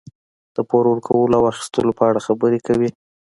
د پور ورکولو او اخیستلو په اړه خبرې کوي.